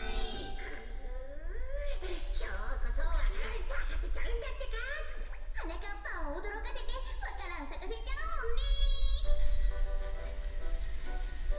くきょうこそわか蘭さかせちゃうんだってか！はなかっぱんをおどろかせてわか蘭さかせちゃうもんね。